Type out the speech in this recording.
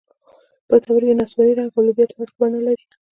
پښتورګي نسواري رنګ او لوبیا ته ورته بڼه لري.